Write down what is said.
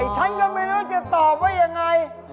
ฉันก็ไม่รู้จะตอบว่ายังไง